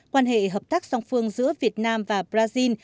quan hệ hợp tác song phương giữa việt nam và brazil